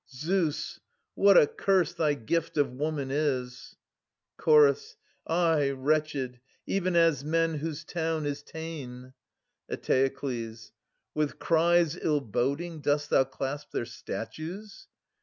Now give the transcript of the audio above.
Zeus, what a curse thy gift of woman is ! Chorus. Ay, wretched — even as men whose town is ta'en. Eteokles. With cries ill boding dost thou clasp their statues